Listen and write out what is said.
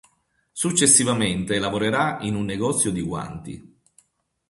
Successivamente lavorerà in un negozio di guanti.